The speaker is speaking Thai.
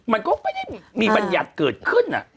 มันก็ไม่ได้มีบัญญัติเกิดขึ้น